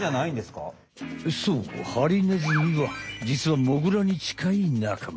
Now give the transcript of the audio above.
そうハリネズミは実はモグラに近い仲間。